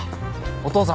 お父さん？